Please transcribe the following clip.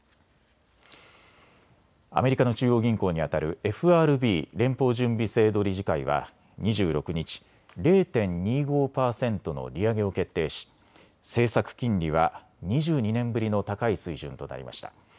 アメリカの中央銀行にあたるＦＲＢ・連邦準備制度理事会は２６日、０．２５％の利上げを決定し政策金利は２２年ぶりの高い水準となりました。